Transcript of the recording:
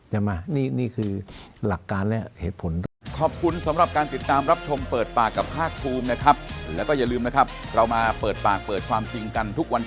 ใช่ไหมนี่คือหลักการและเหตุผล